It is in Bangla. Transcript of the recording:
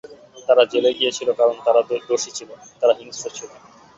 তারা জেলে গিয়েছিল কারণ তারা দোষী ছিল, তারা হিংস্র ছিল।